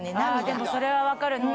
ああでもそれは分かる。